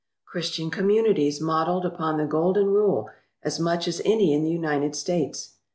Christian communities modelled upon the Golden Rule as much as any in the United States!